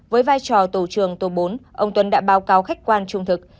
với vai trò tổ trường tổ bốn ông tuấn đã báo cáo khách quan trung thực